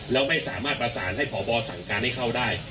แล้วไม่สามารถประสานให้พบสั่งการให้เข้าได้